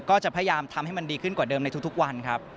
ก็จะพยายามทำให้มันดีขึ้นกว่าเดิมในทุกวันครับ